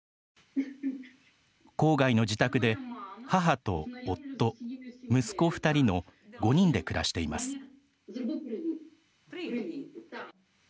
郊外の自宅で、母と夫息子２人の５人で暮らしています。